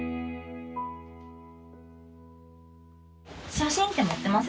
写真って持ってます？